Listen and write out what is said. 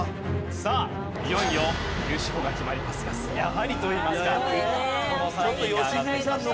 さあいよいよ優勝が決まりますがやはりといいますかこの３人が上がってきました。